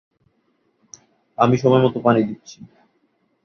আমি সময়মতো পানি দিচ্ছি।